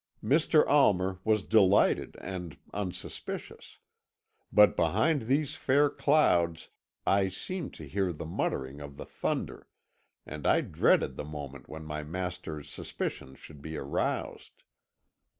Mr. Almer was delighted and unsuspicious; but behind these fair clouds I seemed to hear the muttering of the thunder, and I dreaded the moment when my master's suspicions should be aroused.